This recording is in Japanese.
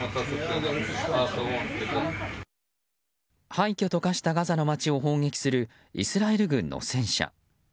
廃墟と化したガザの街を砲撃するイスラエル軍の戦車。